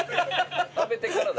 食べてから。